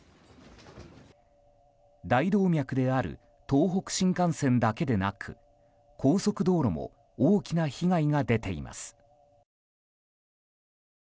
大動脈である東北新幹線だけでなく高速道路も大きな被害が出ています。